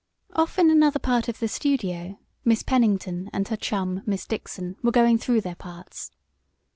Off in another part of the studio Miss Pennington and her chum, Miss Dixon, were going through their parts.